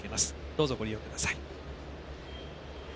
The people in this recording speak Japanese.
どうぞご利用ください。